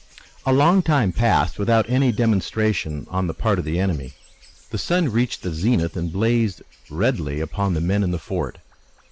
A long time passed without any demonstration on the part of the enemy. The sun reached the zenith and blazed redly upon the men in the fort.